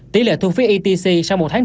tỷ lệ thu phí etc sau một tháng